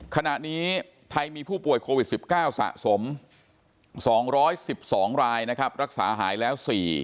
ขณะนี้ไทยมีผู้ป่วยโควิด๑๙สะสม๒๑๒รายนะครับรักษาหายแล้ว๔